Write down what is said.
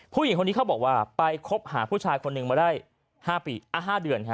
ผู้หญิงคนนี้เขาบอกว่าไปคบหาผู้ชายคนหนึ่งมาได้๕เดือน